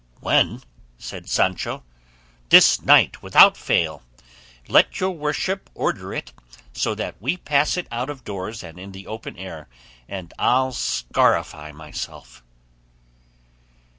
"When?" said Sancho; "this night without fail. Let your worship order it so that we pass it out of doors and in the open air, and I'll scarify myself."